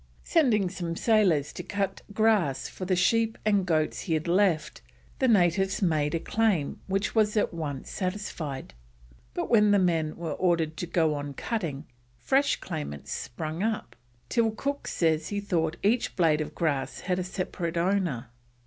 Sending some sailors to cut grass for the sheep and goats he had left, the natives made a claim which was at once satisfied; but when the men were ordered to go on cutting, fresh claimants sprung up, till Cook says he thought each blade of grass had a separate owner.